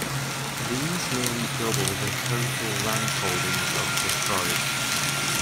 These nearly double the total landholdings of the tribe.